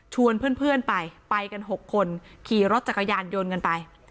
เพื่อนไปไปกัน๖คนขี่รถจักรยานยนต์กันไป